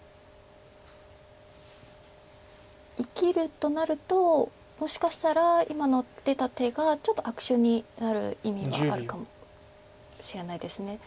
生きるとなるともしかしたら今の出た手がちょっと悪手になる意味があるかもしれないです。